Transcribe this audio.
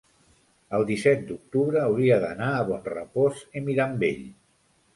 El disset d'octubre hauria d'anar a Bonrepòs i Mirambell.